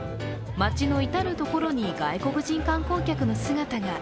街の至る所に外国人観光客の姿が。